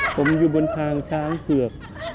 ผมอยู่บนทางช้างเผือก